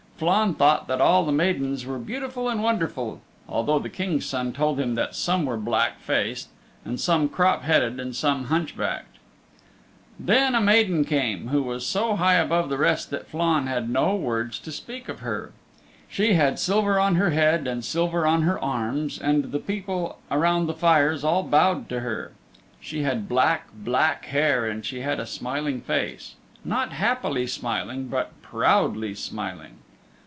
Flann thought that all the maidens were beautiful and wonderful, although the King's Son told him that some were black faced, and some crop headed and some hunchbacked. Then a maiden came, who was so high above the rest that Flann had no words to speak of her. She had silver on her head and silver on her arms, and the people around the fires all bowed to her. She had black, black hair and she had a smiling face not happily smiling, but proudly smiling.